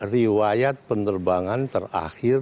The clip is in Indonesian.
riwayat penerbangan terakhir